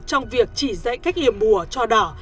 trong việc chỉ dạy cách yểm mùa cho đỏ